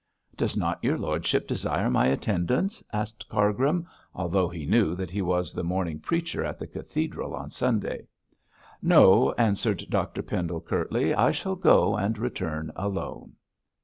'Does not your lordship desire my attendance?' asked Cargrim, although he knew that he was the morning preacher in the cathedral on Sunday. 'No,' answered Dr Pendle, curtly, 'I shall go and return alone.'